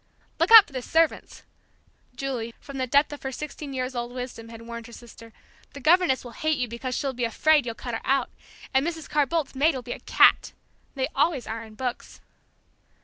"Look out for the servants!" Julie, from the depth of her sixteen years old wisdom had warned her sister. "The governess will hate you because she'll be afraid you'll cut her out, and Mrs. Carr Boldt's maid will be a cat! They always are, in books."